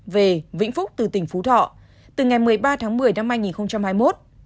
về vĩnh phúc từ tỉnh phú thọ từ ngày một mươi ba tháng một mươi năm hai nghìn hai mươi một